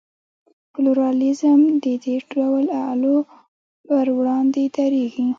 پلورالېزم د دې ډول اعلو پر وړاندې درېږي.